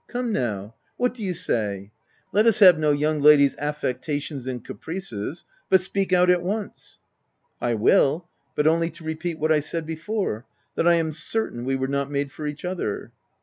Come now ! What do you say? — Let us have no young lady's affectations and caprices, but speak out at once!" a I will, but only to repeat what I said be fore, that I am certain we were not made for each other."